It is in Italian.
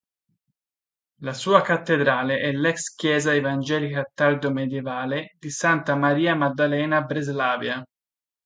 La sua cattedrale è l'ex chiesa evangelica tardomedievale di Santa Maria Maddalena a Breslavia.